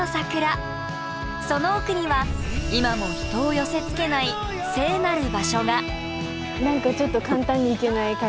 その奥には今も人を寄せつけない聖なる場所が。